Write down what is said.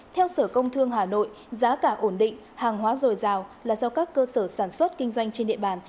theo sở công thương hà nội giá cả ổn định hàng hóa dồi dào là do các cơ sở sản xuất kinh doanh trên địa bàn